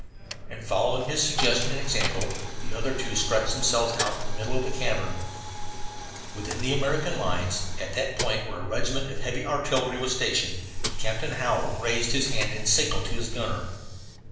And following his suggestion and example, the other two stretched themselves out in the middle of the cavern. Within the American lines, at that point where a regiment of heavy artillery was stationed, Captain Hallowell raised his hand in signal to his gunner.